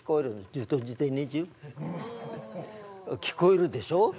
聞こえるでしょ？